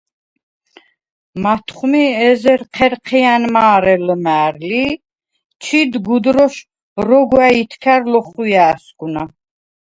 მათხვმი ეზერ ჴერჴია̈ნ მა̄რე ლჷმა̄̈რლი ი ჩიდ გუდროშ როგვა̈ ითქა̈რ ლოხვია̄̈სგვნა.